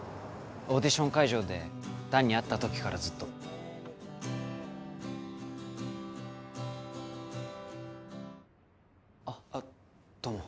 オーディション会場で弾に会った時からずっとあっどうも